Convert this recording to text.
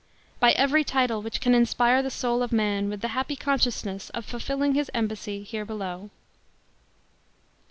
By every title which can inspire the soul of man with the happy consciousness of fulfilling his embassy here below.